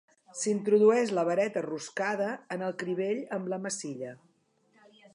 S'introdueix la vareta roscada en el crivell amb la massilla.